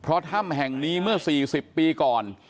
เพราะถ้ำแห่งนี้เมื่อ๔๐ปีก่อน